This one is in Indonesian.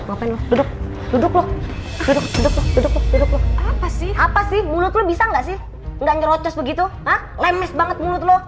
apa sih apa sih mulut lu bisa enggak sih enggak nyuruh sesuai gitu hah lemes banget mulut lu